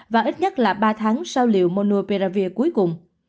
và ít nhất là ba tháng sau liệu monopiravir cuối cùng